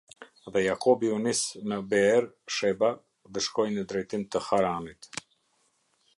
Dhe Jakobi u nis në Beer Sheba dhe shkoi në drejtim të Haranit.